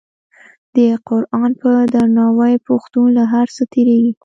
د قران په درناوي پښتون له هر څه تیریږي.